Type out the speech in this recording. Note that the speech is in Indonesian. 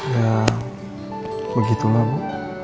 ya begitulah ibu